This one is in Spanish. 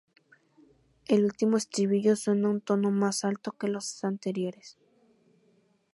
El último estribillo suena un tono más alto que los anteriores.